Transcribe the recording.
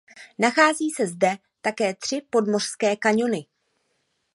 Nachází se zde také tři podmořské kaňony.